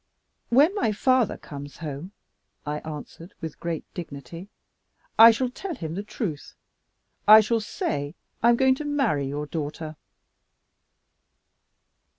"When my father comes home," I answered, with great dignity, "I shall tell him the truth. I shall say I am going to marry your daughter."